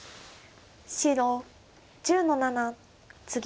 白１０の七ツギ。